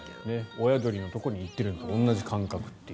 親鳥のところに行っているのと同じ感覚という。